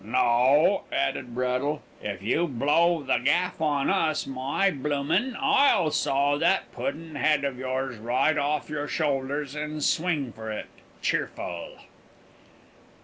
"No," added Braddle. "If you blow the gaff on us, my bloomin', I'll saw that pudden head of yours right off your shoulders, and swing for it, cheerful!"